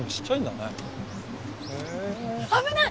危ない！